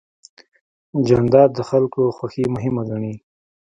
جانداد د خلکو خوښي مهمه ګڼي.